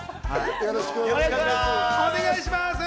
よろしくお願いします。